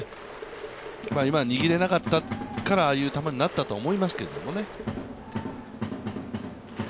今、握れなかったから、ああいう球になったとは思いますけどね。